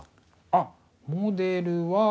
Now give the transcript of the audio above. あモデルは。